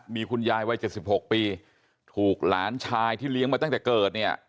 มีคุณยายวัย๗๖ปีถูกหลานชายที่เลี้ยงมาตั้งแต่เกิดเนี่ย